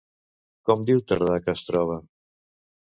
Com diu Tardà que es troba?